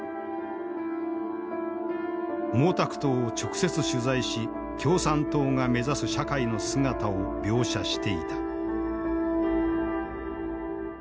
毛沢東を直接取材し共産党が目指す社会の姿を描写していた。